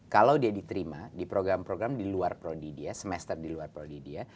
kalau dia diterima di program program di luar prodidya semester di luar prodidya